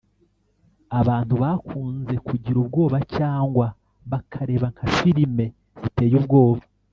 Abantu bakunze kugira ubwoba cyangwa bakareba nka filime ziteye ubwoba